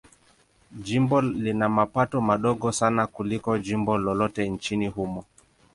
Jimbo lina mapato madogo sana kuliko jimbo lolote nchini humo.